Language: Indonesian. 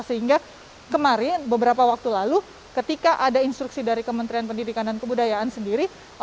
sehingga kemarin beberapa waktu lalu ketika ada instruksi dari kementerian pendidikan dan kebudayaan sendiri